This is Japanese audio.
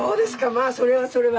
まあそれはそれは。